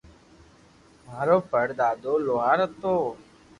مارو پڙ دادو لوھار ھتو